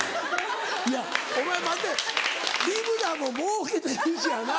いやお前待て日村ももうけてるしやな